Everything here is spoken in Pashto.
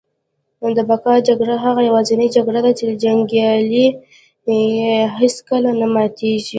د بقا جګړه هغه یوازینۍ جګړه ده چي جنګیالي یې هیڅکله نه ماتیږي